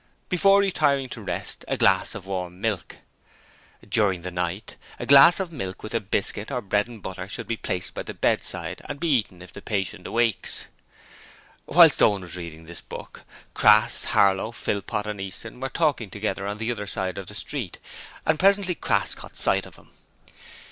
'Before retiring to rest: a glass of warm milk. 'During the night: a glass of milk with a biscuit or bread and butter should be placed by the bedside and be eaten if the patient awakes.' Whilst Owen was reading this book, Crass, Harlow, Philpot and Easton were talking together on the other side of the street, and presently Crass caught sight of him.